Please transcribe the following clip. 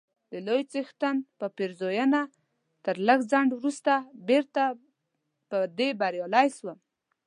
د لوی څښتن په پېرزوینه تر لږ ځنډ وروسته بیرته په دې بریالی سوم،